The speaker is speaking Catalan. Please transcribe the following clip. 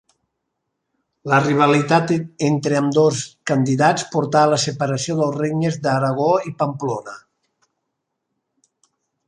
La rivalitat entre ambdós candidats portà a la separació dels regnes d'Aragó i Pamplona.